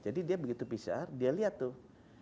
jadi dia begitu pcr dia lihat tuh